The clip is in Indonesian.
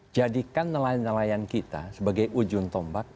jadikan nelayan nelayan kita sebagai ujung tombak